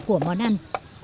của món ăn